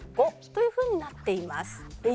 ５というふうになっています。